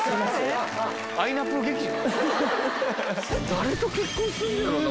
誰と結婚するんやろな